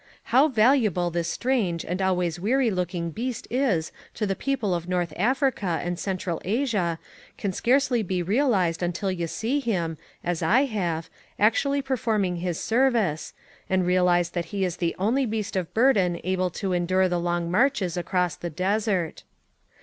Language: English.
How valuable this strange and always weary looking beast is to the people of North Africa and Cen tral Asia can scarcely be realized until you see him, as I have, actually perform ing his service, and realize that he is the only beast of burden able to endure the long marches across the desert.